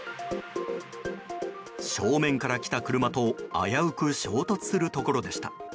正面から来た車と危うく衝突するところでした。